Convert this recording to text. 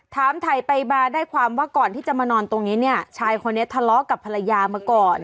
ถามถ่ายไปมาได้ความว่าก่อนที่จะมานอนตรงนี้เนี่ยชายคนนี้ทะเลาะกับภรรยามาก่อน